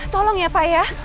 tolong ya pak ya